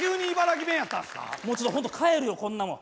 ちょっとホント帰るよこんなもん。